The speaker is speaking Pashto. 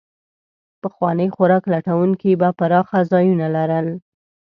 پخواني خوراک لټونکي به پراخه ځایونه لرل.